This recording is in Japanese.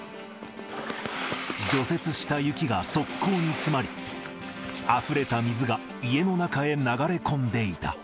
除雪した雪が側溝に詰まり、あふれた水が家の中へ流れ込んでいた。